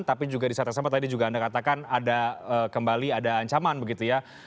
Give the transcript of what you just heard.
tapi juga disatakan sama tadi anda juga katakan ada kembali ada ancaman begitu ya